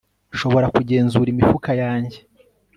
Nshobora kugenzura imifuka yanjye